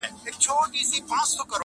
بار به سپک سي او هوسا سفر به وکړې-